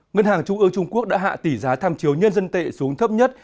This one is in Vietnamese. ngân hàng trung ương trung quốc đã hạ tỷ giá tham chiếu nhân dân tệ xuống thấp nhất